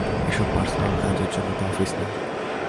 এসব পার্সোনাল কাজের জন্যে তো অফিস না।